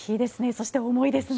そして重いですね。